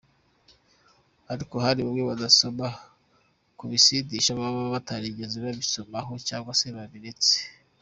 Ariko hari bamwe badasoma ku bisindisha baba batarigeze babisomaho cyangwa se barabiretse.